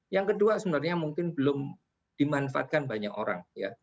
yang kedua sebenarnya mungkin belum dimanfaatkan banyak orang